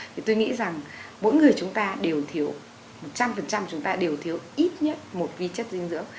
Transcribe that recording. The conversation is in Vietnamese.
thì tôi nghĩ rằng mỗi người chúng ta đều thiếu một trăm linh chúng ta đều thiếu ít nhất một vi chất dinh dưỡng